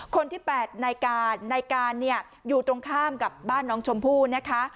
คนที่๘นายกานายกาเนี่ยอยู่ตรงข้ามกับบ้านน้องชมพู่นะคะ